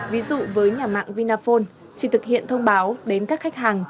ví dụ với nhà mạng vinaphone chỉ thực hiện thông báo đến các khách hàng